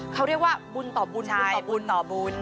เขาเรียกว่าบุญต่อบุญบุญต่อบุญ